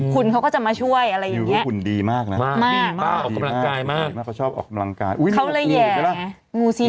คุณเขาก็จะมาช่วยอะไรอย่างนี้